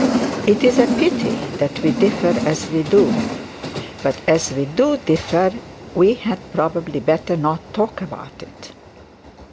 It's a pity that we differ as we do. But, as we do differ, we had probably better not talk about it.'